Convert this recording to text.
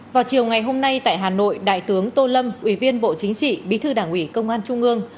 vào chiều ngày hôm nay tại hà nội đại tướng tô lâm ủy viên bộ chính trị bí thư đảng ủy công an trung ương